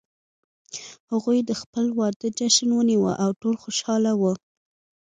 هغوی د خپل واده جشن ونیو او ټول خوشحال وو